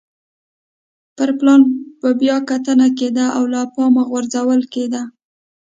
پر پلان به بیا کتنه کېده او له پامه غورځول کېده.